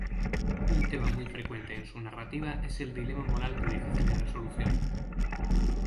Un tema muy frecuente en su narrativa es el dilema moral de difícil resolución.